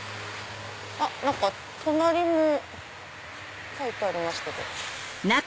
何か隣も書いてありますけど。